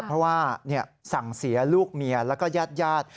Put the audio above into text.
เพราะว่าสั่งเสียลูกเมียแล้วก็ญาติญาติ